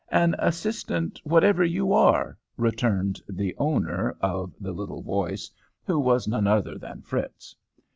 "'An assistant whatever you are,' returned the owner of the little voice, who was none other than Fritz.